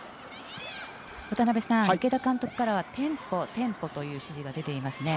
渡辺さん、池田監督からはテンポ、テンポという指示が出ていますね。